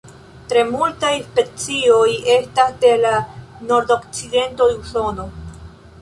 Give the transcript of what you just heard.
Tre multaj specioj estas de la nordokcidento de Usono.